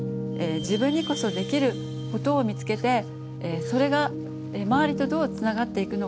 自分にこそできることを見つけてそれが周りとどうつながっていくのか